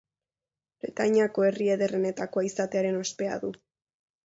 Bretainiako herri ederrenetakoa izatearen ospea du.